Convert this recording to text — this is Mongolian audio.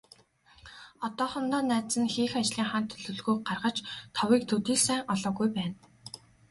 Одоохондоо найз нь хийх ажлынхаа төлөвлөгөөг гаргаж, товыг төдий л сайн олоогүй байна.